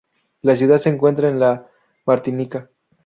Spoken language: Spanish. La ciudad se encuentra en la Martinica.